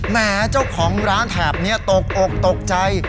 แหมเจ้าของร้านแถบนี้ตกอกตกใจ